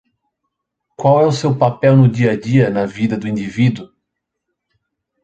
Qual é o seu papel no dia-a-dia na vida do indivíduo?